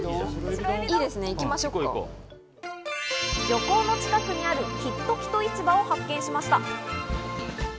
漁港の近くにある、きっときと市場を発見しました。